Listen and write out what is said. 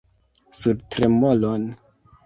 Sur tremolon!